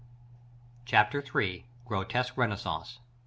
CHAPTER III. GROTESQUE RENAISSANCE.